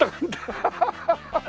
ハハハハ！